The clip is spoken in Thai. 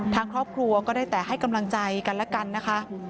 ทางครอบครัวก็ได้แต่ให้กำลังใจกันแล้วกันนะคะ